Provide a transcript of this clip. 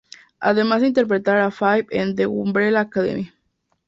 Además de interpretar a Five en "The Umbrella Academy".